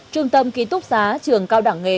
trường tâm kỹ túc giá trường cao đảng nghề